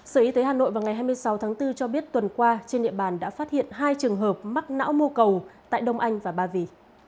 sở y tế hà nội vào ngày hai mươi sáu tháng bốn cho biết tuần qua trên địa bàn đã phát hiện hai trường hợp mắc não mô cầu tại đông anh và ba vì